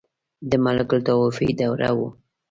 • د ملوکالطوایفي دوره وه.